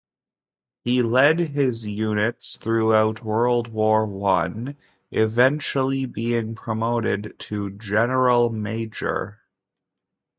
He led his units throughout World War One, eventually being promoted to Generalmajor.